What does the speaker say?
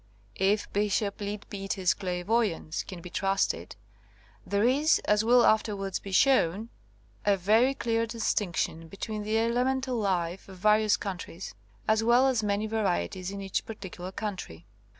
If Bishop Leadbeat er's clairvoyance can be trusted, there is, as will afterwards be shown, a very clear dis tinction between the elemental life of va rious countries, as well as many varieties in each particular country.